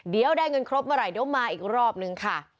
เดี๋ยวได้เงินครบเมื่อไหร่เดี๋ยวมาอีกรอบนึงค่ะ